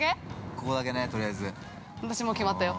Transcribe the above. ◆ここだけね、とりあえず。◆私もう決まったよ。